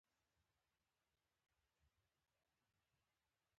د ټولنیزو بنسټونو په نامه څه شی نه وو.